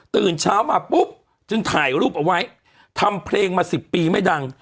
ตื่นเช้ามาปุ๊บจึงถ่ายรูปเอาไว้ทำเพลงมา๑๐ปีไม่ดัง